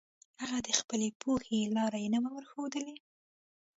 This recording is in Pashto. هغه د خپلې پوهې لار نه وي ورښودلي.